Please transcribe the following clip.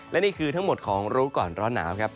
และนี่คือทั้งหมดของรู้ก่อนร้อนหนาวครับ